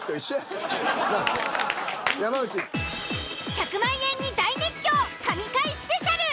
１００万円に大熱狂神回スペシャル。